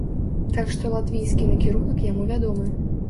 Так што латвійскі накірунак яму вядомы.